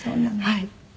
はい。